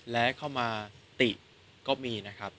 และเข้ามาติก็มีนะครับ